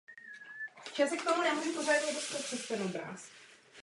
Partnerství znamená mluvit jasně.